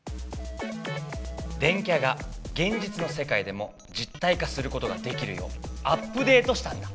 電キャがげんじつのせかいでも実体化することができるようアップデートしたんだ。